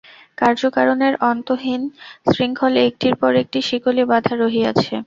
কার্যকারণের অন্তহীন শৃঙ্খলে একটির পর একটি শিকলি বাঁধা রহিয়াছে।